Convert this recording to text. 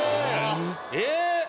えっ！